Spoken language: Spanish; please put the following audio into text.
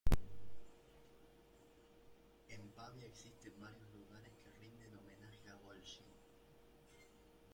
En Pavia existen varios lugares que rinden homenaje a Golgi.